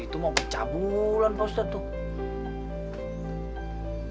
itu mau kecabulan pak ustadz